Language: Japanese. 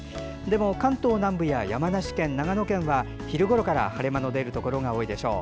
関東南部や山梨県、長野県は昼ごろから晴れ間の出るところが多いでしょう。